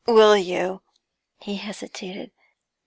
'Will you ' He hesitated.